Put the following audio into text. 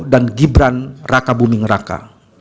dan gibran raka buming raka